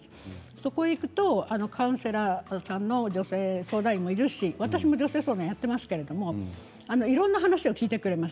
そこへ行くとカウンセラーさんの女性相談員もいるし私も女性相談をやっていますけれどもいろんな話を聞いてくれます。